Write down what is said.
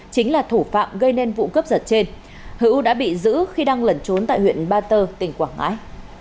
chính là thủ phạm gây nên vụ cướp giật trên hữu đã bị giữ khi đang lẩn trốn tại huyện ba tơ tỉnh quảng ngãi